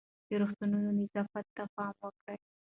د روغتونونو نظافت ته پام وکړئ.